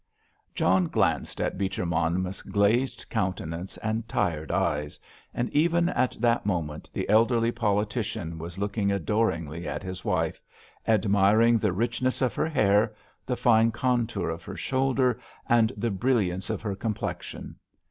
John glanced at Beecher Monmouth's glazed countenance and tired eyes, and even at that moment the elderly politician was looking adoringly at his wife, admiring the richness of her hair, the fine contour of her shoulders, and the brilliance of her complexion.